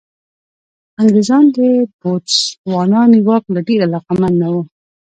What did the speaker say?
انګرېزان د بوتسوانا نیواک ته ډېر علاقمند نه وو.